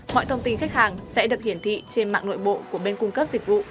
mọi thông tin khách hàng sẽ được hiển thị trên mạng nội bộ của bên cung cấp dịch vụ